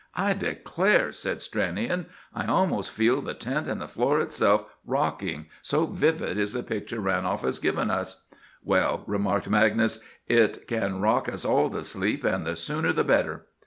"I declare," said Stranion, "I almost feel the tent and the floor itself rocking, so vivid is the picture Ranolf has given us!" "Well," remarked Magnus, "it can rock us all to sleep, and the sooner the better!"